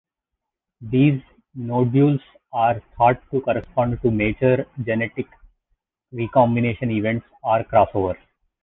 These nodules are thought to correspond to mature genetic recombination events or "crossovers".